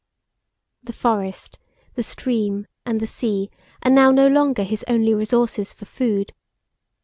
The forest, the stream, and the sea are now no longer his only resources for food.